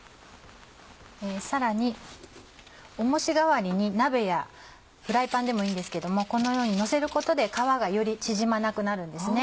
さらに重し代わりに鍋やフライパンでもいいんですけどもこのようにのせることで皮がより縮まなくなるんですね。